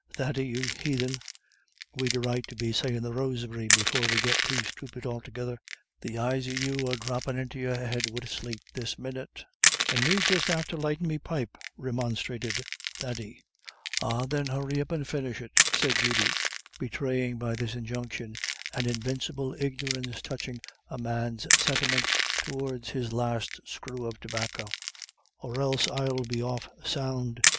Thady, you heathen, we'd a right to be sayin' the Rosary before we git too stupid altogether. The eyes of you are droppin' into your head wid sleep this minnit." "And me just after lightin' me pipe," remonstrated Thady. "Ah thin, hurry up and finish it," said Judy, betraying by this injunction an invincible ignorance touching a man's sentiments towards his last screw of tobacco, "or else I'll be off sound.